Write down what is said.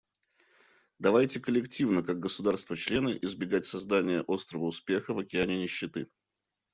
Давайте коллективно — как государства-члены — избегать создания острова успеха в океане нищеты.